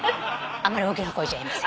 あんまり大きな声じゃ言えません。